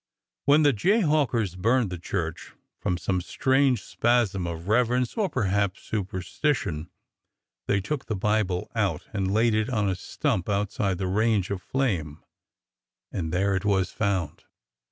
When the jayhawkers burned the church, from some strange spasm of revei ence or perhaps superstition, they took the Bible out and laid it on a stump outside the range of flame, and there it was found.